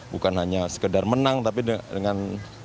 bukan hanya sekedar menang tapi dengan